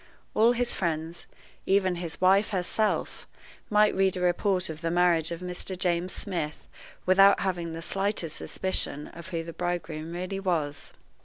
All his friends, even his wife herself, might read a report of the marriage of Mr. James Smith without having the slightest suspicion of who the bridegroom really was.